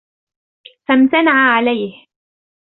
فَامْتَنَعَ عَلَيْهِ